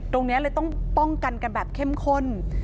ตรงนี้เลยต้องป้องกันกันแบบเข้มข้น